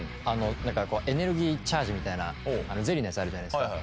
なんかエネルギーチャージみたいなゼリーのやつあるじゃないですか。